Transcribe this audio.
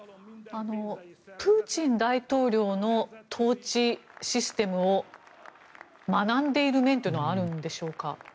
プーチン大統領の統治システムを学んでいる面というのはあるんでしょうか？